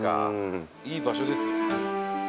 いい場所です。